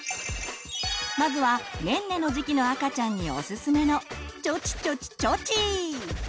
まずはねんねの時期の赤ちゃんにおすすめの「ちょちちょちちょち